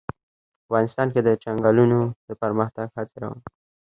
افغانستان کې د چنګلونه د پرمختګ هڅې روانې دي.